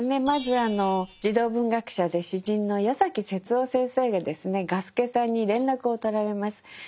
まずあの児童文学者で詩人の矢崎節夫先生がですね雅輔さんに連絡を取られます。